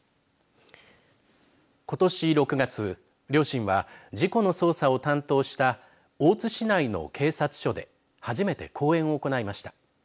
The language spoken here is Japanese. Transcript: ことし６月両親は事故の捜査を担当した大津市内の警察署で初めて講演を行いました。